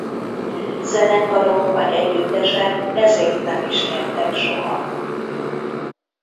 Zenekarok vagy együttesek ezért nem is nyertek soha.